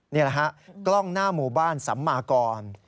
นี่แหละฮะกล้องหน้าหมู่บ้านสัมมากร